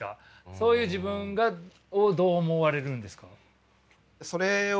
そういう自分をどう思われるんですか？